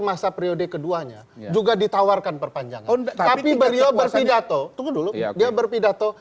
masa periode keduanya juga ditawarkan perpanjangan tapi beliau berpidato tunggu dulu dia berpidato